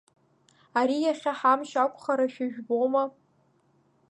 Ари иахьа ҳамч ақәхарашәа жәбома?